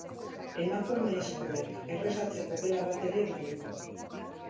Emakumezkoek errezatzeko gela bat ere badu.